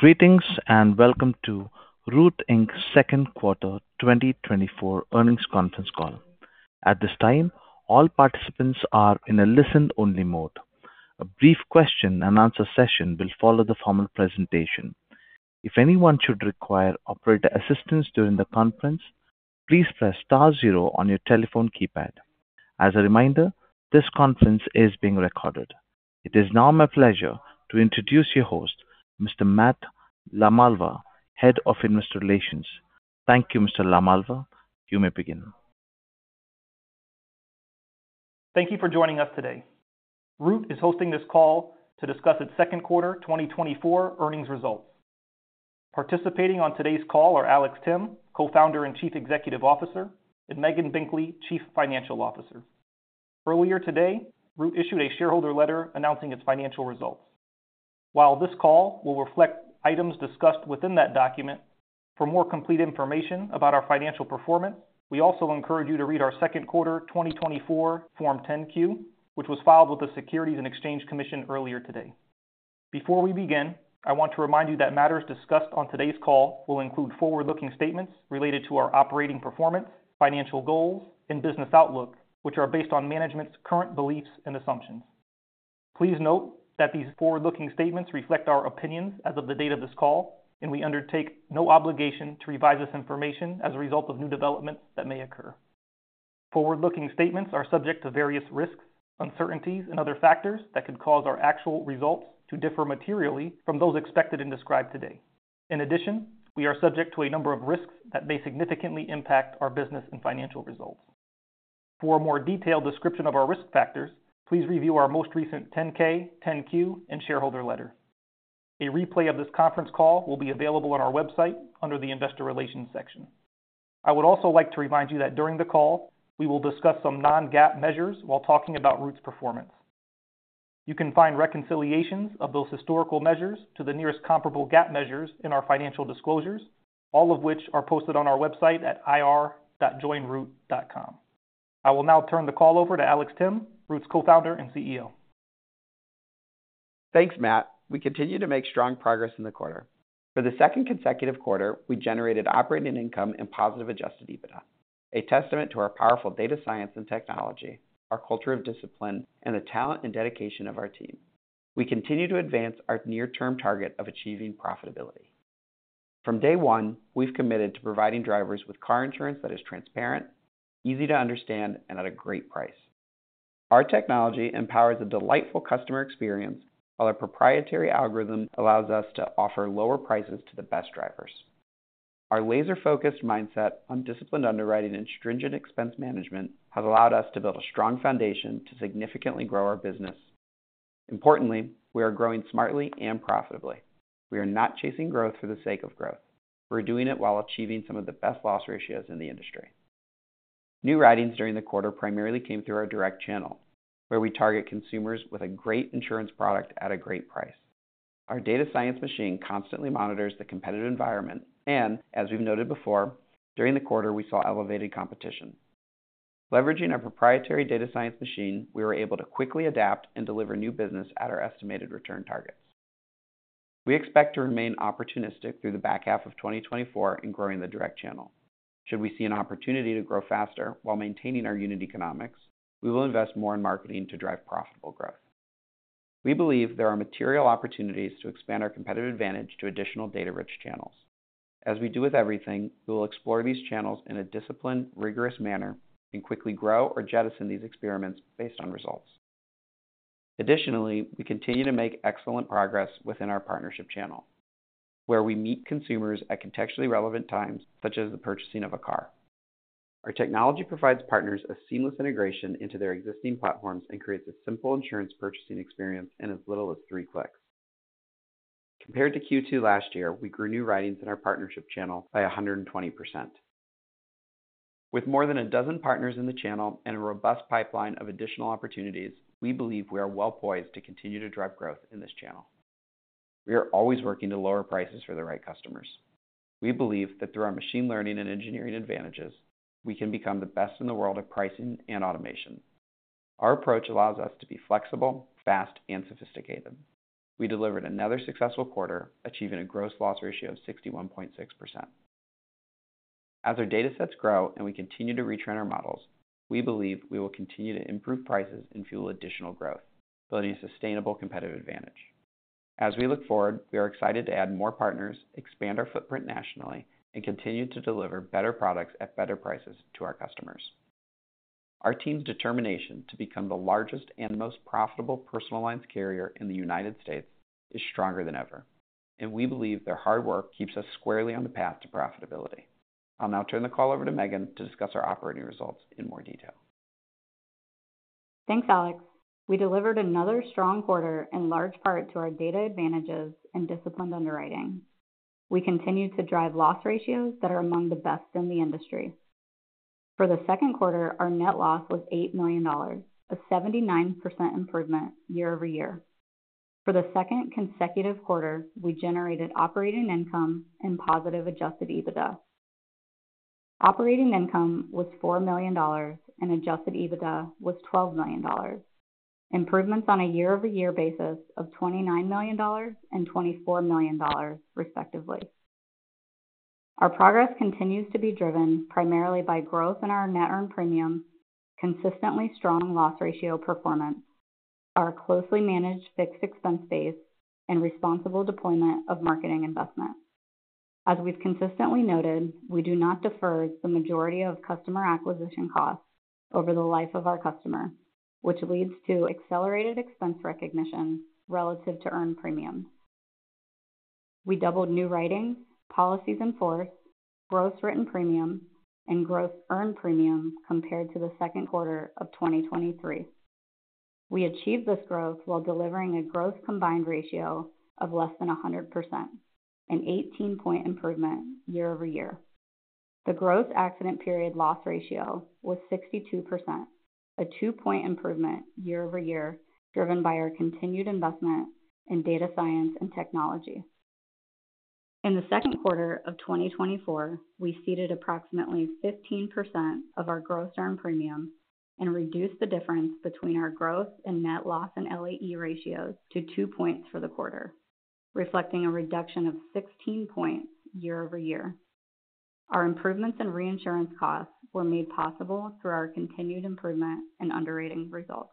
Greetings, and welcome to Root Inc.'s Second Quarter 2024 Earnings Conference Call. At this time, all participants are in a listen-only mode. A brief question-and-answer session will follow the formal presentation. If anyone should require operator assistance during the conference, please press star zero on your telephone keypad. As a reminder, this conference is being recorded. It is now my pleasure to introduce your host, Mr. Matt Lamalva, Head of Investor Relations. Thank you, Mr. Lamalva. You may begin. Thank you for joining us today. Root is hosting this call to discuss its second quarter 2024 earnings results. Participating on today's call are Alex Timm, Co-founder and Chief Executive Officer, and Megan Binkley, Chief Financial Officer. Earlier today, Root issued a shareholder letter announcing its financial results. While this call will reflect items discussed within that document, for more complete information about our financial performance, we also encourage you to read our second quarter 2024 Form 10-Q, which was filed with the Securities and Exchange Commission earlier today. Before we begin, I want to remind you that matters discussed on today's call will include forward-looking statements related to our operating performance, financial goals, and business outlook, which are based on management's current beliefs and assumptions. Please note that these forward-looking statements reflect our opinions as of the date of this call, and we undertake no obligation to revise this information as a result of new developments that may occur. Forward-looking statements are subject to various risks, uncertainties, and other factors that could cause our actual results to differ materially from those expected and described today. In addition, we are subject to a number of risks that may significantly impact our business and financial results. For a more detailed description of our risk factors, please review our most recent 10-K, 10-Q, and shareholder letter. A replay of this conference call will be available on our website under the Investor Relations section. I would also like to remind you that during the call, we will discuss some non-GAAP measures while talking about Root's performance. You can find reconciliations of those historical measures to the nearest comparable GAAP measures in our financial disclosures, all of which are posted on our website at ir.joinroot.com. I will now turn the call over to Alex Timm, Root's Co-founder and CEO. Thanks, Matt. We continue to make strong progress in the quarter. For the second consecutive quarter, we generated operating income and positive Adjusted EBITDA, a testament to our powerful data science and technology, our culture of discipline, and the talent and dedication of our team. We continue to advance our near-term target of achieving profitability. From day one, we've committed to providing drivers with car insurance that is transparent, easy to understand, and at a great price. Our technology empowers a delightful customer experience, while our proprietary algorithm allows us to offer lower prices to the best drivers. Our laser-focused mindset on disciplined underwriting and stringent expense management have allowed us to build a strong foundation to significantly grow our business. Importantly, we are growing smartly and profitably. We are not chasing growth for the sake of growth. We're doing it while achieving some of the best loss ratios in the industry. New writings during the quarter primarily came through our direct channel, where we target consumers with a great insurance product at a great price. Our data science machine constantly monitors the competitive environment, and as we've noted before, during the quarter, we saw elevated competition. Leveraging our proprietary data science machine, we were able to quickly adapt and deliver new business at our estimated return targets. We expect to remain opportunistic through the back half of 2024 in growing the direct channel. Should we see an opportunity to grow faster while maintaining our unit economics, we will invest more in marketing to drive profitable growth. We believe there are material opportunities to expand our competitive advantage to additional data-rich channels. As we do with everything, we will explore these channels in a disciplined, rigorous manner and quickly grow or jettison these experiments based on results. Additionally, we continue to make excellent progress within our partnership channel, where we meet consumers at contextually relevant times, such as the purchasing of a car. Our technology provides partners a seamless integration into their existing platforms and creates a simple insurance purchasing experience in as little as three clicks. Compared to Q2 last year, we grew new writings in our partnership channel by 120%. With more than a dozen partners in the channel and a robust pipeline of additional opportunities, we believe we are well poised to continue to drive growth in this channel. We are always working to lower prices for the right customers. We believe that through our machine learning and engineering advantages, we can become the best in the world at pricing and automation. Our approach allows us to be flexible, fast, and sophisticated. We delivered another successful quarter, achieving a gross loss ratio of 61.6%. As our datasets grow and we continue to retrain our models, we believe we will continue to improve prices and fuel additional growth, building a sustainable competitive advantage. As we look forward, we are excited to add more partners, expand our footprint nationally, and continue to deliver better products at better prices to our customers. Our team's determination to become the largest and most profitable personal lines carrier in the United States is stronger than ever, and we believe their hard work keeps us squarely on the path to profitability. I'll now turn the call over to Megan to discuss our operating results in more detail. Thanks, Alex. We delivered another strong quarter, in large part to our data advantages and disciplined underwriting. We continued to drive loss ratios that are among the best in the industry. For the second quarter, our net loss was $8 million, a 79% improvement year-over-year. For the second consecutive quarter, we generated operating income and positive Adjusted EBITDA. Operating income was $4 million and adjusted EBITDA was $12 million, improvements on a year-over-year basis of $29 million and $24 million, respectively. Our progress continues to be driven primarily by growth in our net earned premium, consistently strong loss ratio performance, our closely managed fixed expense base, and responsible deployment of marketing investment. As we've consistently noted, we do not defer the majority of customer acquisition costs over the life of our customer, which leads to accelerated expense recognition relative to earned premium. We doubled new writing, policies in force, gross written premium, and gross earned premium compared to the second quarter of 2023. We achieved this growth while delivering a gross combined ratio of less than 100%, an 18-point improvement year-over-year. The gross accident period loss ratio was 62%, a 2-point improvement year-over-year, driven by our continued investment in data science and technology. In the second quarter of 2024, we ceded approximately 15% of our gross earned premium and reduced the difference between our gross and net loss and LAE ratios to 2 points for the quarter, reflecting a reduction of 16 points year-over-year. Our improvements in reinsurance costs were made possible through our continued improvement in underwriting results.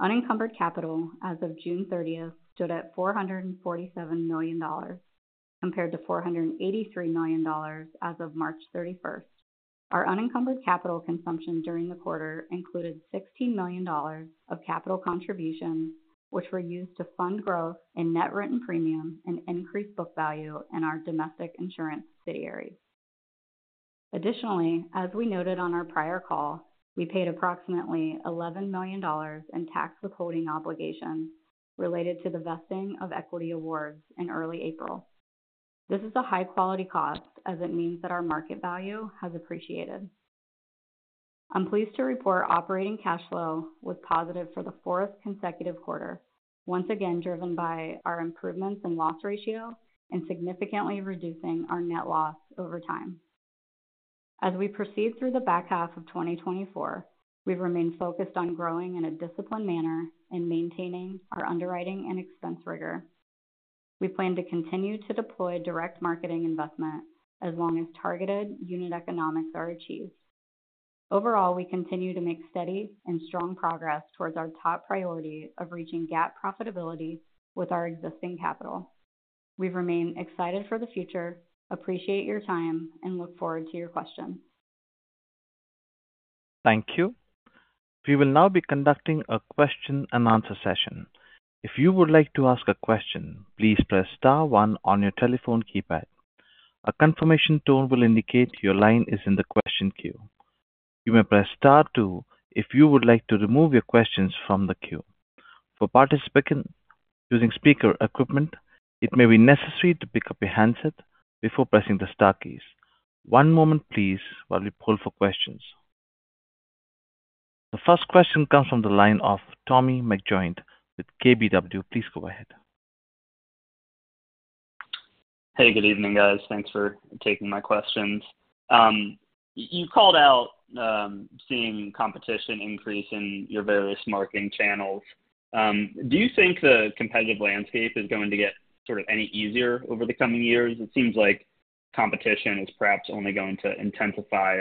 Unencumbered capital as of June 30 stood at $447 million, compared to $483 million as of March 31. Our unencumbered capital consumption during the quarter included $16 million of capital contributions, which were used to fund growth in net written premium and increase book value in our domestic insurance subsidiaries. Additionally, as we noted on our prior call, we paid approximately $11 million in tax withholding obligations related to the vesting of equity awards in early April. This is a high-quality cost as it means that our market value has appreciated. I'm pleased to report operating cash flow was positive for the fourth consecutive quarter, once again driven by our improvements in loss ratio and significantly reducing our net loss over time. As we proceed through the back half of 2024, we remain focused on growing in a disciplined manner and maintaining our underwriting and expense rigor. We plan to continue to deploy direct marketing investment as long as targeted unit economics are achieved. Overall, we continue to make steady and strong progress towards our top priority of reaching GAAP profitability with our existing capital. We remain excited for the future, appreciate your time, and look forward to your questions. Thank you. We will now be conducting a question-and-answer session. If you would like to ask a question, please press star one on your telephone keypad. A confirmation tone will indicate your line is in the question queue. You may press star two if you would like to remove your questions from the queue. For participants using speaker equipment, it may be necessary to pick up your handset before pressing the star keys. One moment please while we poll for questions. The first question comes from the line of Tommy McJoynt with KBW. Please go ahead. Hey, good evening, guys. Thanks for taking my questions. You called out seeing competition increase in your various marketing channels. Do you think the competitive landscape is going to get sort of any easier over the coming years? It seems like competition is perhaps only going to intensify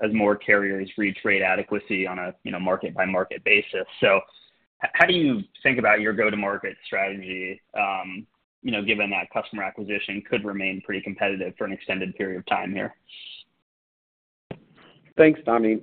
as more carriers reach rate adequacy on a, you know, market-by-market basis. So how do you think about your go-to-market strategy, you know, given that customer acquisition could remain pretty competitive for an extended period of time here? Thanks, Tommy.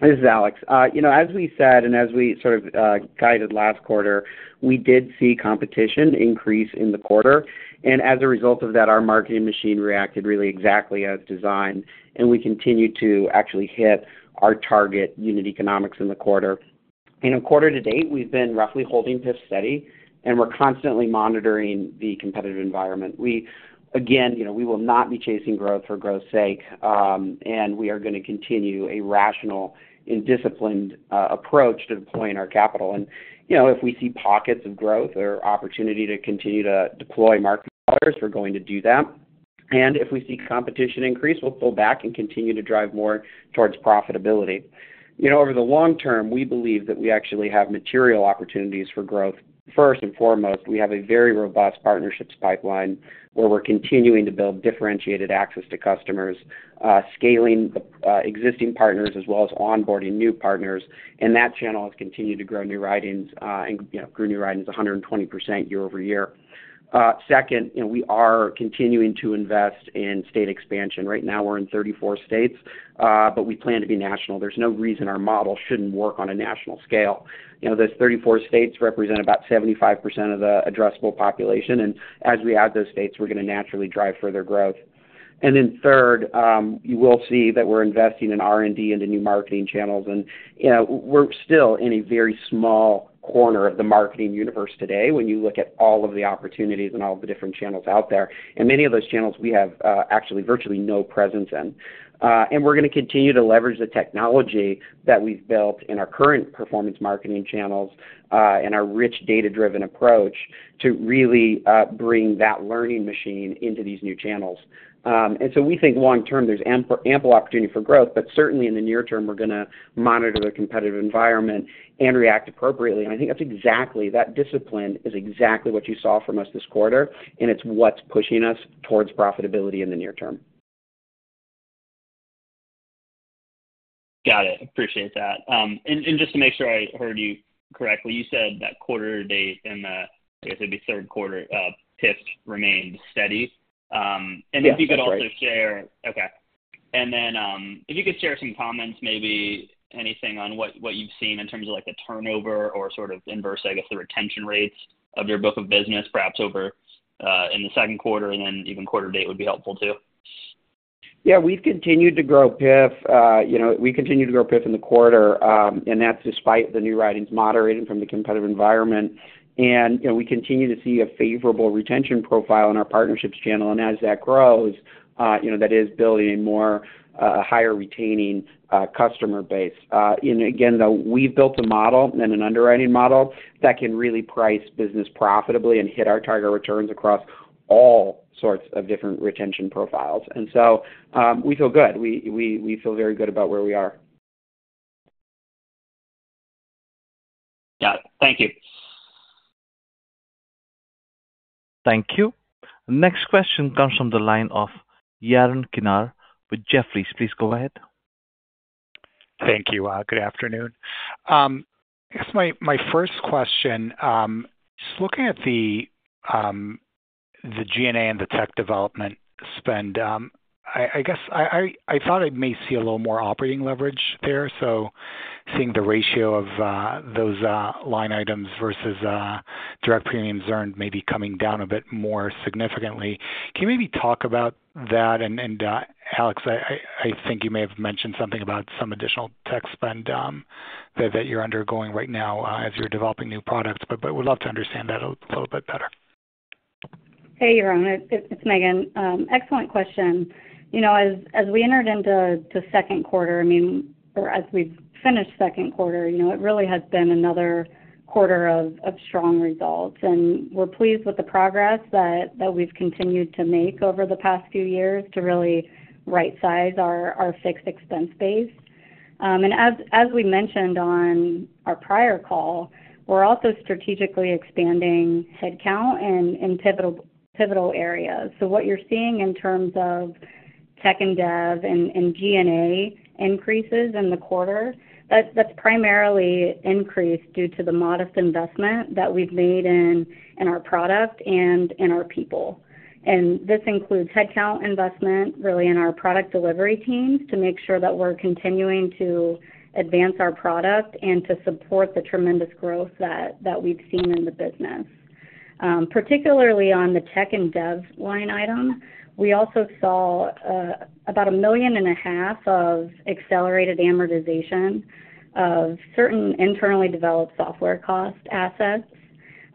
This is Alex. You know, as we said, and as we sort of guided last quarter, we did see competition increase in the quarter. And as a result of that, our marketing machine reacted really exactly as designed, and we continued to actually hit our target unit economics in the quarter. In a quarter to date, we've been roughly holding this steady, and we're constantly monitoring the competitive environment. We again, you know, we will not be chasing growth for growth's sake, and we are going to continue a rational and disciplined approach to deploying our capital. And, you know, if we see pockets of growth or opportunity to continue to deploy market dollars, we're going to do that. And if we see competition increase, we'll pull back and continue to drive more towards profitability. You know, over the long term, we believe that we actually have material opportunities for growth. First and foremost, we have a very robust partnerships pipeline, where we're continuing to build differentiated access to customers, scaling the existing partners as well as onboarding new partners, and that channel has continued to grow new writings, and, you know, grew new writings 120% year-over-year. Second, you know, we are continuing to invest in state expansion. Right now, we're in 34 states, but we plan to be national. There's no reason our model shouldn't work on a national scale. You know, those 34 states represent about 75% of the addressable population, and as we add those states, we're going to naturally drive further growth. And then third, you will see that we're investing in R&D into new marketing channels. You know, we're still in a very small corner of the marketing universe today when you look at all of the opportunities and all the different channels out there. Many of those channels we have actually virtually no presence in, and we're gonna continue to leverage the technology that we've built in our current performance marketing channels, and our rich data-driven approach to really bring that learning machine into these new channels. So we think long term, there's ample opportunity for growth, but certainly, in the near term, we're gonna monitor the competitive environment and react appropriately. I think that's exactly, that discipline is exactly what you saw from us this quarter, and it's what's pushing us towards profitability in the near term. Got it. Appreciate that. And just to make sure I heard you correctly, you said that quarter to date in the, I guess, it'd be third quarter, PIF remained steady? Yeah, that's right. And if you could also share—Okay. And then, if you could share some comments, maybe anything on what, what you've seen in terms of, like, the turnover or sort of inverse, I guess, the retention rates of your book of business, perhaps over, in the second quarter, and then even quarter to date would be helpful, too. Yeah, we've continued to grow PIF. You know, we continued to grow PIF in the quarter, and that's despite the new writings moderating from the competitive environment. You know, we continue to see a favorable retention profile in our partnerships channel. As that grows, you know, that is building a more higher retaining customer base. Again, though, we've built a model and an underwriting model that can really price business profitably and hit our target returns across all sorts of different retention profiles. So, we feel good. We, we, we feel very good about where we are. Got it. Thank you. Thank you. Next question comes from the line of Yaron Kinar with Jefferies. Please go ahead. Thank you. Good afternoon. I guess my first question, just looking at the G&A and the tech development spend. I guess I thought I may see a little more operating leverage there. So seeing the ratio of those line items versus direct premiums earned maybe coming down a bit more significantly. Can you maybe talk about that? And, Alex, I think you may have mentioned something about some additional tech spend that you're undergoing right now, as you're developing new products, but would love to understand that a little bit better. Hey, Yaron. It's Megan. Excellent question. You know, as we entered into the second quarter, I mean, or as we've finished second quarter, you know, it really has been another quarter of strong results, and we're pleased with the progress that we've continued to make over the past few years to really right-size our fixed expense base. And as we mentioned on our prior call, we're also strategically expanding headcount in pivotal areas. So what you're seeing in terms of tech and dev and G&A increases in the quarter, that's primarily increased due to the modest investment that we've made in our product and in our people. This includes headcount investment, really, in our product delivery teams to make sure that we're continuing to advance our product and to support the tremendous growth that we've seen in the business. Particularly on the tech and dev line item, we also saw about $1.5 million of accelerated amortization of certain internally developed software cost assets.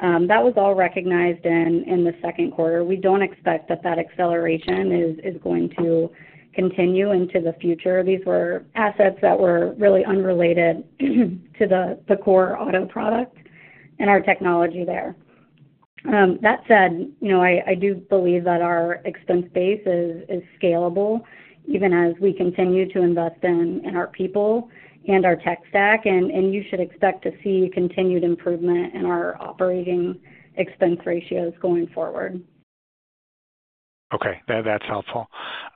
That was all recognized in the second quarter. We don't expect that acceleration is going to continue into the future. These were assets that were really unrelated to the core auto product and our technology there. That said, you know, I do believe that our expense base is scalable, even as we continue to invest in our people and our tech stack, and you should expect to see continued improvement in our operating expense ratios going forward. Okay. That, that's helpful.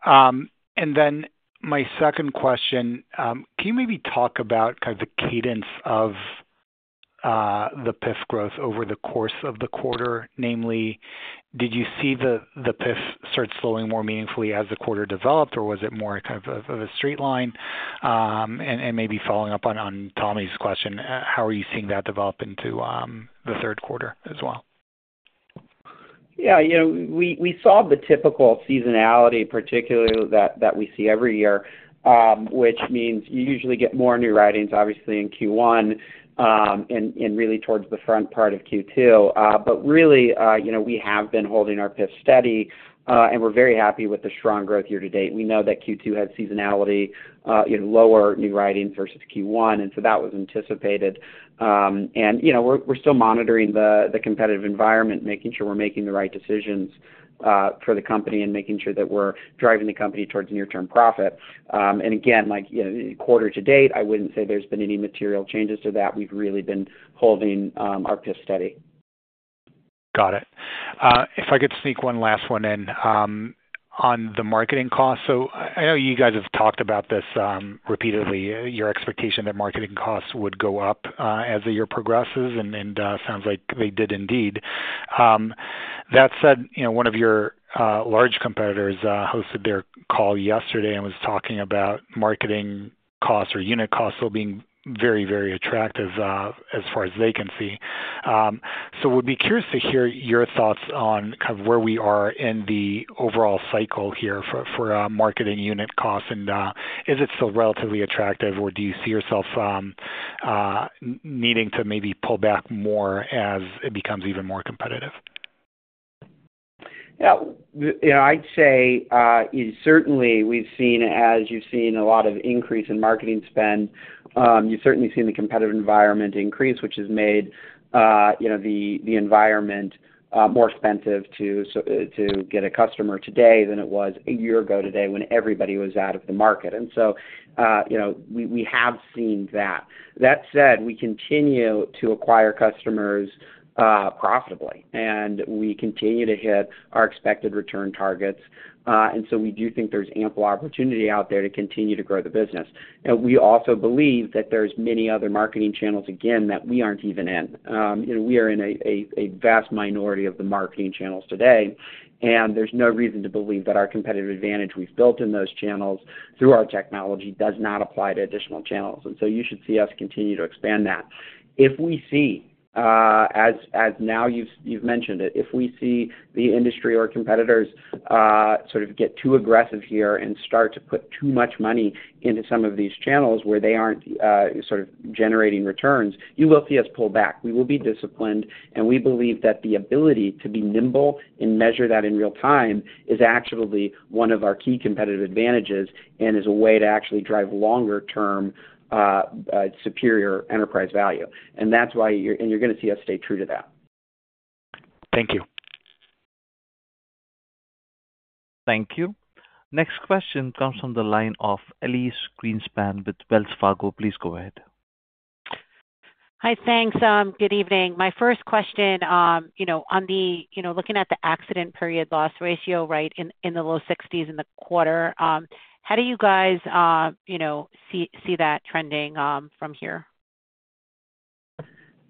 And then my second question, can you maybe talk about kind of the cadence of, the PIF growth over the course of the quarter? Namely, did you see the, the PIF start slowing more meaningfully as the quarter developed, or was it more a kind of, of a straight line? And, and maybe following up on, on Tommy's question, how are you seeing that develop into, the third quarter as well? Yeah, you know, we saw the typical seasonality, particularly that we see every year, which means you usually get more new writings, obviously, in Q1, and really towards the front part of Q2. But really, you know, we have been holding our PIF steady, and we're very happy with the strong growth year to date. We know that Q2 had seasonality, you know, lower new writing versus Q1, and so that was anticipated. And, you know, we're still monitoring the competitive environment, making sure we're making the right decisions for the company and making sure that we're driving the company towards near-term profit. And again, like, you know, quarter to date, I wouldn't say there's been any material changes to that. We've really been holding our PIF steady. Got it. If I could sneak one last one in, on the marketing costs. So I know you guys have talked about this repeatedly, your expectation that marketing costs would go up as the year progresses, and sounds like they did indeed. That said, you know, one of your large competitors hosted their call yesterday and was talking about marketing costs or unit costs still being very, very attractive as far as they can see. So would be curious to hear your thoughts on kind of where we are in the overall cycle here for marketing unit costs, and is it still relatively attractive, or do you see yourself needing to maybe pull back more as it becomes even more competitive? Yeah, you know, I'd say, certainly we've seen, as you've seen a lot of increase in marketing spend, you've certainly seen the competitive environment increase, which has made, you know, the, the environment, more expensive to get a customer today than it was a year ago today when everybody was out of the market. And so, you know, we, we have seen that. That said, we continue to acquire customers, profitably, and we continue to hit our expected return targets. And so we do think there's ample opportunity out there to continue to grow the business. And we also believe that there's many other marketing channels, again, that we aren't even in. You know, we are in a vast minority of the marketing channels today, and there's no reason to believe that our competitive advantage we've built in those channels through our technology does not apply to additional channels. And so you should see us continue to expand that. If we see, now you've mentioned it, if we see the industry or competitors sort of get too aggressive here and start to put too much money into some of these channels where they aren't sort of generating returns, you will see us pull back. We will be disciplined, and we believe that the ability to be nimble and measure that in real time is actually one of our key competitive advantages and is a way to actually drive longer term superior enterprise value. And that's why you're... You're gonna see us stay true to that. Thank you. Thank you. Next question comes from the line of Elyse Greenspan with Wells Fargo. Please go ahead. Hi, thanks. Good evening. My first question, you know, on the, you know, looking at the accident period loss ratio, right, in the low 60s in the quarter, how do you guys, you know, see that trending from here?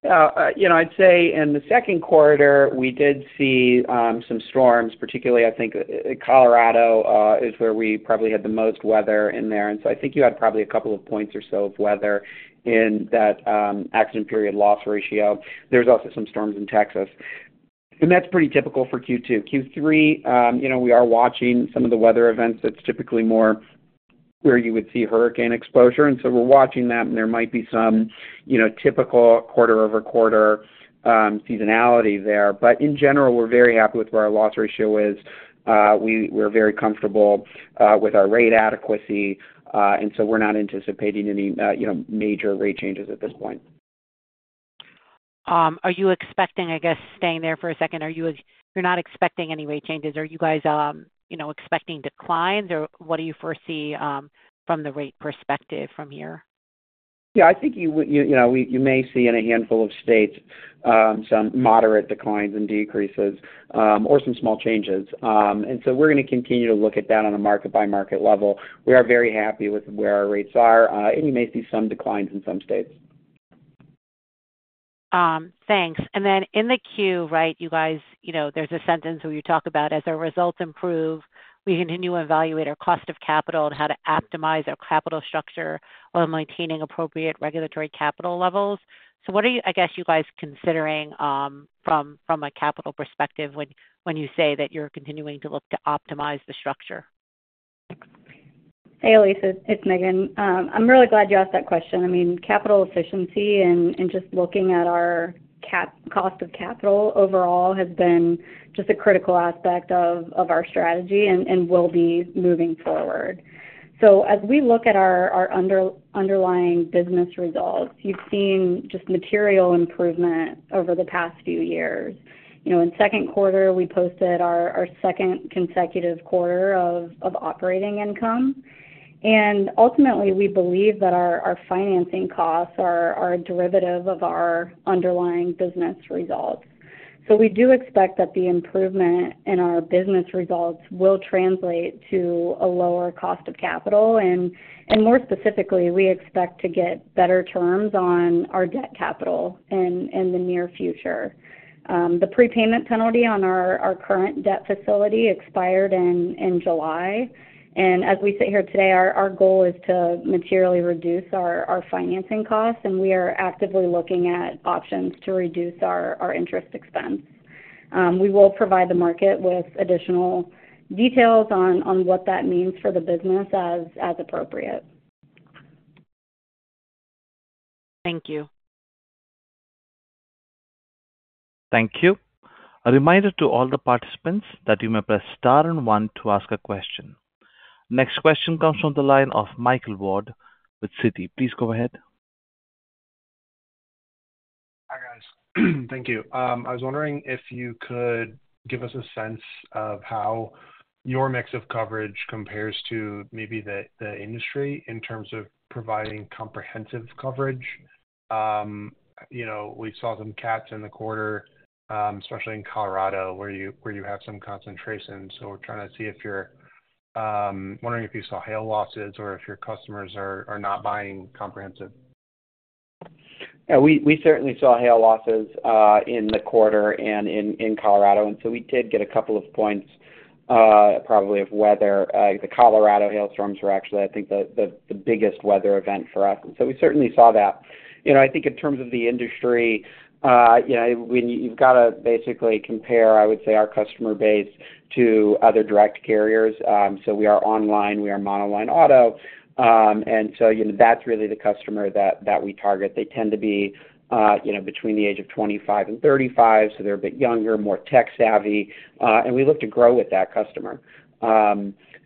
You know, I'd say in the second quarter, we did see some storms, particularly, I think, in Colorado, is where we probably had the most weather in there. And so I think you had probably a couple of points or so of weather in that, accident period loss ratio. There was also some storms in Texas, and that's pretty typical for Q2. Q3, you know, we are watching some of the weather events. That's typically more where you would see hurricane exposure, and so we're watching that, and there might be some, you know, typical quarter-over-quarter, seasonality there. But in general, we're very happy with where our loss ratio is. We're very comfortable with our rate adequacy, and so we're not anticipating any, you know, major rate changes at this point. Are you expecting, I guess, staying there for a second, you're not expecting any rate changes. Are you guys, you know, expecting declines, or what do you foresee, from the rate perspective from here? Yeah, I think you know, we, you may see in a handful of states, some moderate declines and decreases, or some small changes. And so we're gonna continue to look at that on a market-by-market level. We are very happy with where our rates are, and you may see some declines in some states. Thanks. And then in the queue, right, you guys, you know, there's a sentence where you talk about, "As our results improve, we continue to evaluate our cost of capital and how to optimize our capital structure while maintaining appropriate regulatory capital levels." So what are you, I guess, you guys considering from a capital perspective, when you say that you're continuing to look to optimize the structure? Hey, Elyse, it's Megan. I'm really glad you asked that question. I mean, capital efficiency and just looking at our cost of capital overall has been just a critical aspect of our strategy and will be moving forward. So as we look at our underlying business results, you've seen just material improvement over the past few years. You know, in second quarter, we posted our second consecutive quarter of operating income. And ultimately, we believe that our financing costs are a derivative of our underlying business results. So we do expect that the improvement in our business results will translate to a lower cost of capital. And more specifically, we expect to get better terms on our debt capital in the near future. The prepayment penalty on our current debt facility expired in July, and as we sit here today, our goal is to materially reduce our financing costs, and we are actively looking at options to reduce our interest expense. We will provide the market with additional details on what that means for the business as appropriate. Thank you. Thank you. A reminder to all the participants that you may press star and one to ask a question. Next question comes from the line of Michael Ward with Citi. Please go ahead. Hi, guys. Thank you. I was wondering if you could give us a sense of how your mix of coverage compares to maybe the industry in terms of providing comprehensive coverage. You know, we saw some cats in the quarter, especially in Colorado, where you have some concentration. So we're trying to see if you're wondering if you saw hail losses or if your customers are not buying comprehensive. Yeah, we certainly saw hail losses in the quarter and in Colorado, and so we did get a couple of points probably of weather. The Colorado hailstorms were actually, I think, the biggest weather event for us, and so we certainly saw that. You know, I think in terms of the industry, you know, when you've got to basically compare, I would say, our customer base to other direct carriers. So we are online, we are monoline auto, and so, you know, that's really the customer that we target. They tend to be, you know, between the age of 25 and 35, so they're a bit younger, more tech savvy, and we look to grow with that customer.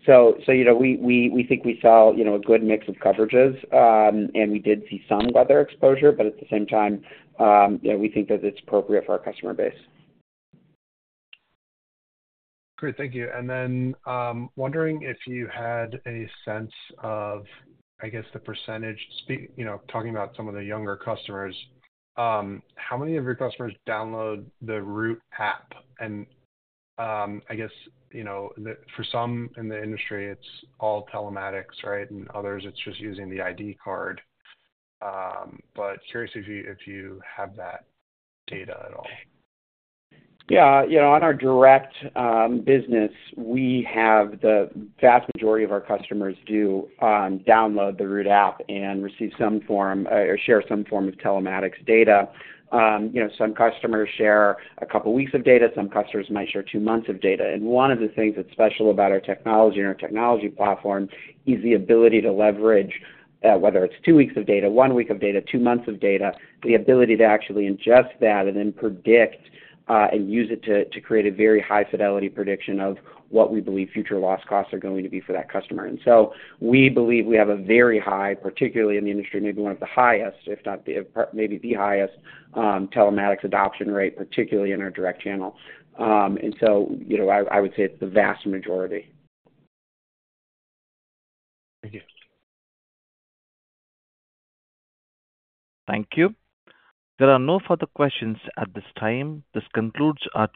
So, you know, we think we saw, you know, a good mix of coverages. We did see some weather exposure, but at the same time, you know, we think that it's appropriate for our customer base. Great, thank you. And then, wondering if you had a sense of, I guess, the percentage... you know, talking about some of the younger customers, how many of your customers download the Root app? And, I guess, you know, the, for some in the industry, it's all telematics, right? And others, it's just using the ID card. But curious if you, if you have that data at all. Yeah. You know, on our direct business, we have the vast majority of our customers do download the Root app and receive some form or share some form of telematics data. You know, some customers share a couple weeks of data, some customers might share two months of data. And one of the things that's special about our technology and our technology platform is the ability to leverage whether it's two weeks of data, one week of data, two months of data, the ability to actually ingest that and then predict and use it to create a very high fidelity prediction of what we believe future loss costs are going to be for that customer. And so we believe we have a very high, particularly in the industry, maybe one of the highest, if not the, maybe the highest, telematics adoption rate, particularly in our direct channel. And so, you know, I would say it's the vast majority. Thank you. Thank you. There are no further questions at this time. This concludes our q-